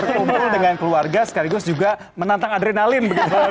bisa berkumpul dengan keluarga sekaligus juga menantang adrenalin